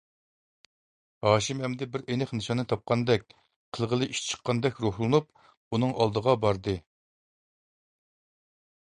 ھاشىم ئەمدى بىر ئېنىق نىشاننى تاپقاندەك، قىلغىلى ئىش چىققاندەك روھلىنىپ، ئۇنىڭ ئالدىغا باردى.